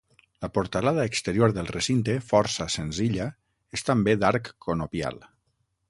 La portalada exterior del recinte, força senzilla, és també d'arc conopial.